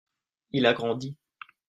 il a grandi.